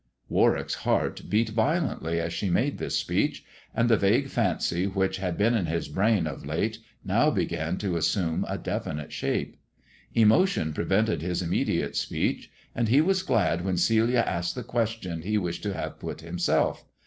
Warwick's heart beat violently as she made this speech, and the vague fancy which had been in his brain of late now began to assume a definite shape. Emotion prevented his immediate speech, and he was glad when Colia asked the question he wished to have put himself.